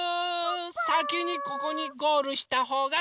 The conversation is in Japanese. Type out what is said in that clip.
さきにここにゴールしたほうがかちです！